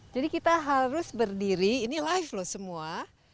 jadi kita harus berdiri ini live loh semua